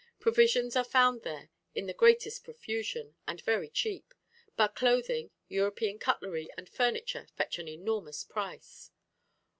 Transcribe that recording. Provisions are found there in the greatest profusion, and very cheap; but clothing, European cutlery, and furniture fetch an enormous price.